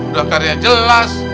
doang karirnya jelas